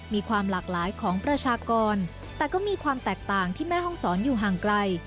มีความหลากหลายของประชากรแต่ก็มีความแตกต่างที่แม่ห้องศรอยู่ห่างไกล